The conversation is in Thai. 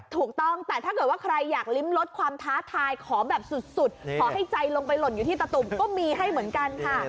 ถูกต้องแต่ถ้าเกิดว่าใครอยากลิ้มลดความท้าทายขอแบบสุดขอให้ใจลงไปหล่นอยู่ที่ตะตุ่มก็มีให้เหมือนกันค่ะ